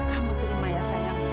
kamu terima ya sayang